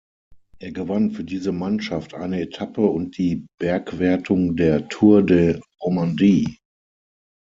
Er gewann für diese Mannschaft eine Etappe und die Bergwertung der Tour de Romandie.